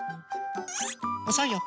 おそいよ。